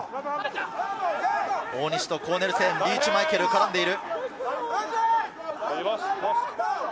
大西とコーネルセン、リーチ・マイケルが絡んでいる。